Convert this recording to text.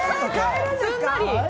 すんなり！